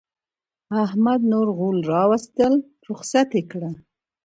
احمد نور غول راوستل؛ رخصت يې کړه.